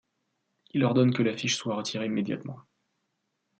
Il ordonne que l'affiche soit retirée immédiatement.